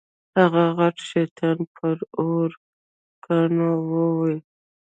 هغه غټ شیطان پر اوو کاڼو وولې.